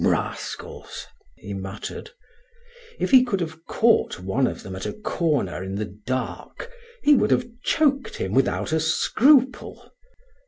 "Rascals!" he muttered. If he could have caught one of them at a corner in the dark he would have choked him without a scruple!